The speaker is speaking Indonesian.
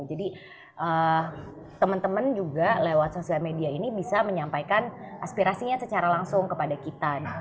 jadi teman teman juga lewat sosial media ini bisa menyampaikan aspirasinya secara langsung kepada kita